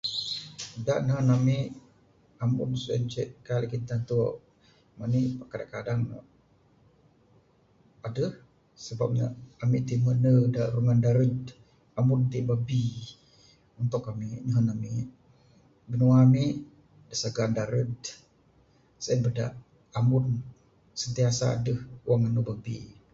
Da nehen ami, ambun sien ce kaik lagih tantu mani'k pak kadang kadang adeh sebab ne, ami ti mende da rungan darud. Ambun ti babbi untuk ami, nehen ami. Binua ami da sagan darud sien bada ambun sentiasa adeh wang anu babbi.